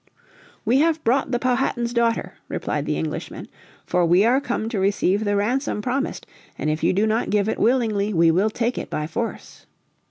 "We have brought the Powhatan's daughter," replied the Englishmen. "For we are come to receive the ransom promised, and if you do not give it willingly we will take it by force."